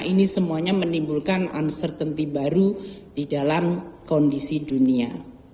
ini semuanya menimbulkan uncertainty baru di dalam kondisi dunia